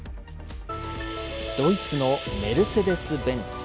ドイツのメルセデス・ベンツ。